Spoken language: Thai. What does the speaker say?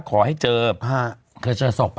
กล่าวว่าพญานาคคอให้เจอโกรธสบอะ